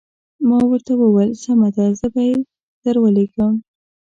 ما ورته وویل سمه ده زه به یې درولېږم.